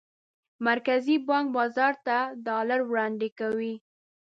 مرکزي بانک بازار ته ډالر وړاندې کوي.